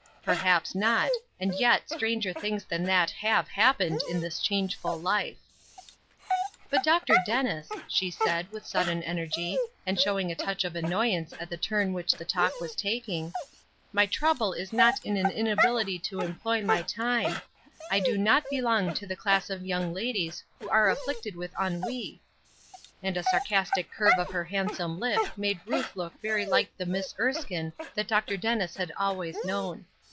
"Perhaps not; and yet stranger things than that have happened in this changeful life." "But, Dr. Dennis," she said, with sudden energy, and showing a touch of annoyance at the turn which the talk was taking, "my trouble is not an inability to employ my time; I do not belong to the class of young ladies who are afflicted with ennui." And a sarcastic curve of her handsome lip made Ruth look very like the Miss Erskine that Dr. Dennis had always known.